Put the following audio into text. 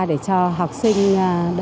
để cho học sinh đỡ